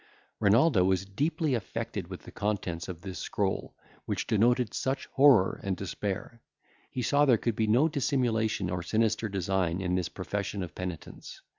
Renaldo was deeply affected with the contents of this scroll, which denoted such horror and despair. He saw there could be no dissimulation or sinister design in this profession of penitence.